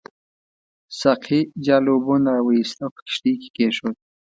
ساقي جال له اوبو نه راوایست او په کښتۍ کې کېښود.